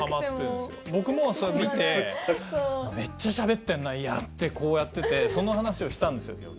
僕もそれ見てめっちゃしゃべってんなってこうやっててその話をしたんですよ。